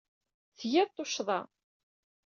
Tgid tuccḍa.